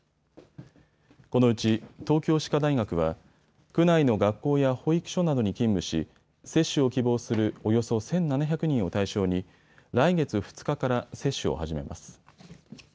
このうち東京歯科大学は、区内の学校や保育所などに勤務し接種を希望するおよそ１７００人を対象に来月２日から接種を始めます。